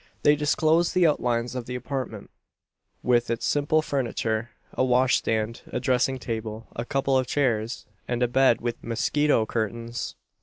They disclosed the outlines of the apartment, with its simple furniture a washstand, a dressing table, a couple of chairs, and a bed with "mosquito curtains."